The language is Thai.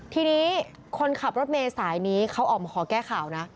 ทีนี้คนขับรถเมย์สายนี้เขาออกมาขอแก้ข่าวนะ